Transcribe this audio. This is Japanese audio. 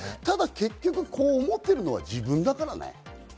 ただ結局、思ってるのは自分だからね。